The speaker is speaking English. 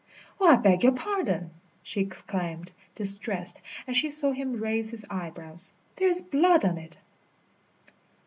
"Oh, I beg your pardon!" she exclaimed, distressed, as she saw him raise his eyebrows. "There is blood on it."